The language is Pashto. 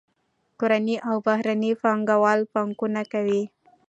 کورني او بهرني پانګه وال پانګونه کوي.